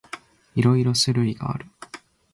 いろいろ種類がある。